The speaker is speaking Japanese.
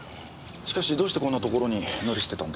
しかしどうしてこんな所に乗り捨てたんだろう。